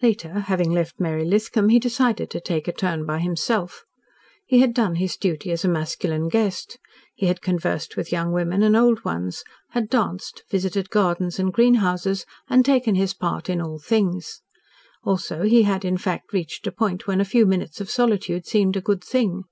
Later, having left Mary Lithcom, he decided to take a turn by himself. He had done his duty as a masculine guest. He had conversed with young women and old ones, had danced, visited gardens and greenhouses, and taken his part in all things. Also he had, in fact, reached a point when a few minutes of solitude seemed a good thing.